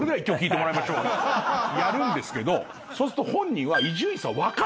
やるんですけどそうすっと本人は。